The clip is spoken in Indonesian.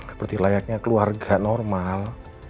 seperti layaknya keluarga normal